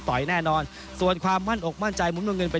แน่นอนส่วนความมั่นอกมั่นใจมุมน้ำเงินเป็น